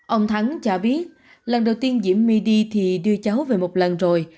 ông thắng cho biết lần đầu tiên diễm my đi thì đưa cháu về một lần rồi